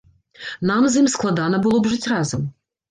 Нам з ім складана было б жыць разам.